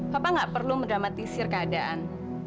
bapak nggak perlu mendramatisir keadaan